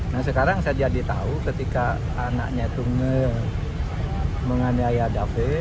nah sekarang saya jadi tahu ketika anaknya itu mengandai ayah david